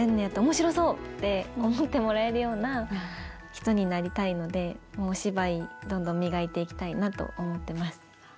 やったら面白そうって思ってもらえるような人になりたいのでもうお芝居どんどん磨いていきたいなと思ってます。